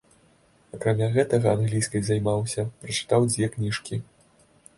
Акрамя гэтага англійскай займаўся, прачытаў дзве кніжкі.